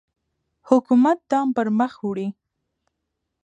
حکومت دا پرمخ وړي.